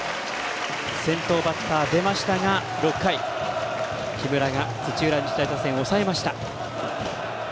先頭バッター出ましたが６回、木村が土浦日大打線を抑えました。